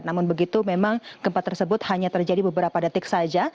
namun begitu memang gempa tersebut hanya terjadi beberapa detik saja